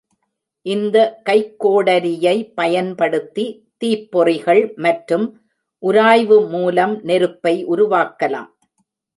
இந்த கைக்கோடரியை பயன்படுத்தி தீப்பொறிகள் மற்றும் உராய்வு மூலம் நெருப்பை உருவாக்கலாம்.